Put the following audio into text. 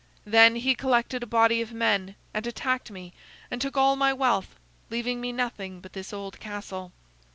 Then he collected a body of men and attacked me, and took all my wealth, leaving me nothing but this old castle."